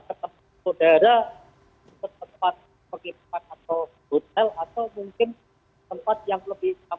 ketemu saudara ke tempat pergi ke hotel atau mungkin tempat yang lebih